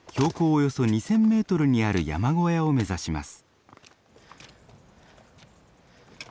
およそ２，０００メートルにある山小屋を目指します。